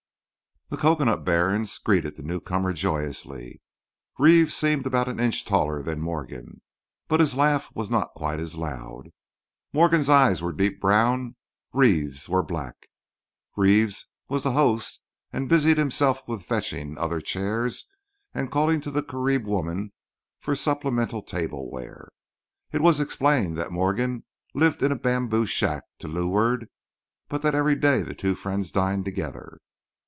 The cocoanut barons greeted the newcomer joyously. Reeves seemed about an inch taller than Morgan, but his laugh was not quite as loud. Morgan's eyes were deep brown; Reeves's were black. Reeves was the host and busied himself with fetching other chairs and calling to the Carib woman for supplemental table ware. It was explained that Morgan lived in a bamboo shack to "loo'ard," but that every day the two friends dined together.